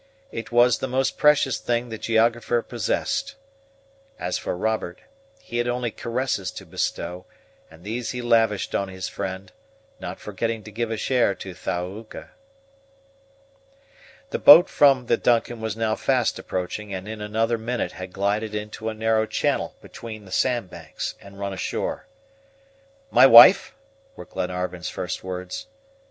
It was the most precious thing the geographer possessed. As for Robert, he had only caresses to bestow, and these he lavished on his friend, not forgetting to give a share to Thaouka. The boat from the DUNCAN was now fast approaching, and in another minute had glided into a narrow channel between the sand banks, and run ashore. "My wife?" were Glenarvan's first words.